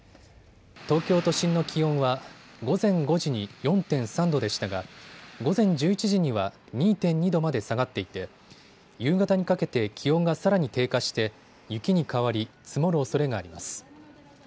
東京都心の気温は午前５時に４．３度でしたが午前１１時には２．２度まで下がっていて夕方にかけて気温がさらに低下して雪に変わり積もるおそれがあります。